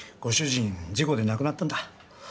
ご主人事故で亡くなったんだ